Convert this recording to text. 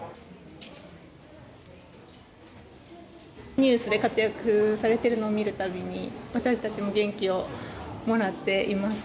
ニュースで活躍されているのを見るたびに私たちも元気をもらっています。